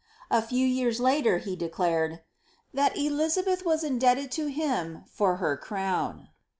A few years later he declared ^ that Elizabeth was indebted to him for her crown.''